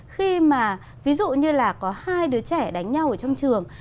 khi mà ví dụ như là có hai đứa trẻ đánh nhau ở trong trường